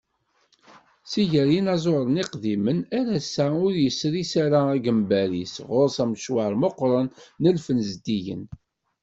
Seg gar yinaẓuren iqdimen, ar ass-a ur yesris ara agambar-is, ɣur-s amecwar meqqren n lfen zeddigen.